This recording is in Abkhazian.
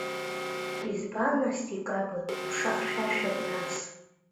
Избан, нас, декабр, ԥша хьшәашәак нарс…